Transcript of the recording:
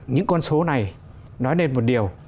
những con số này nói lên một điều